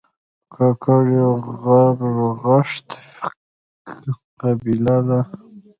کاکړ یو غرغښت قبیله ده